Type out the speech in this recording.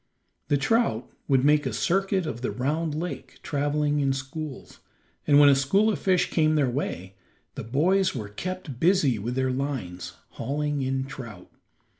The trout would make a circuit of the round lake traveling in schools, and when a school of fish came their way, the boys were kept busy with their lines, hauling in trout.